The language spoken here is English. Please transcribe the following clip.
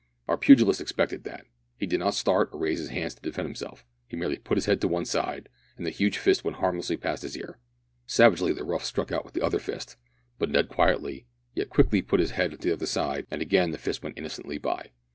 Our pugilist expected that. He did not start or raise his hands to defend himself, he merely put his head to one side, and the huge fist went harmlessly past his ear. Savagely the rough struck out with the other fist, but Ned quietly, yet quickly put his head to the other side, and again the fist went innocently by.